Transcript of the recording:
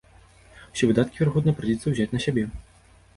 Усе выдаткі, верагодна, прыйдзецца ўзяць на сябе.